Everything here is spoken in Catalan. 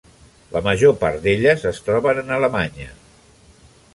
La major part d'elles es troben en Alemanya.